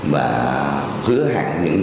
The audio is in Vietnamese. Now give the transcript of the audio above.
và hứa hẳn những cái